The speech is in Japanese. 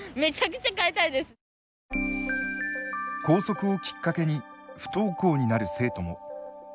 校則をきっかけに不登校になる生徒も。